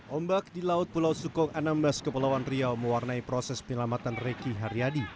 ombak di laut pulau sukong anambas kepulauan riau mewarnai proses penyelamatan reki haryadi